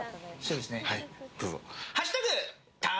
どうぞ。